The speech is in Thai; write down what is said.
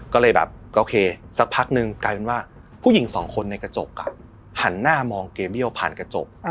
ก็เลยแบบโอเคสักพักนึงกลายเป็นว่าผู้หญิงสองคนในกระจกหันหน้ามองเกเบี้ยวผ่านกระจก